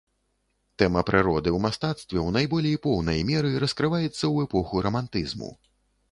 Тэма прыроды ў мастацтве ў найболей поўнай меры раскрываецца ў эпоху рамантызму.